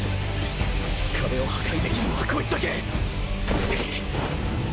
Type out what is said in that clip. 壁を破壊できるのはこいつだけ！